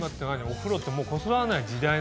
お風呂ってもうこすらない時代なの？